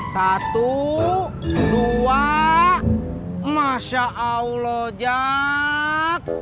satu dua masya allah jack